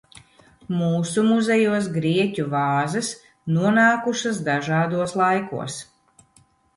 Mūsu muzejos grieķu vāzes nonākušas dažādos laikos.